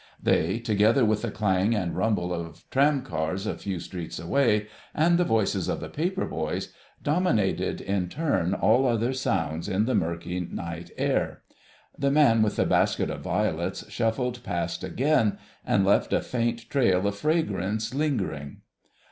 They, together with the clang and rumble of tram cars a few streets away, and the voices of the paper boys, dominated in turn all other sounds in the mirky night air. The man with the basket of violets shuffled past again, and left a faint trail of fragrance lingering.